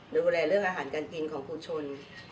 ดูแลเรื่องอาหารการกินของคุณชน